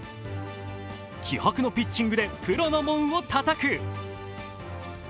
気迫のピッチングでプロの門をたたく。